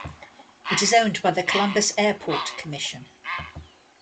It is owned by the Columbus Airport Commission.